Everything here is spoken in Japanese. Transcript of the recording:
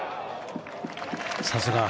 さすが。